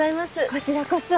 こちらこそ。